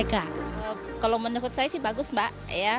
kalau menurut saya sih bagus mbak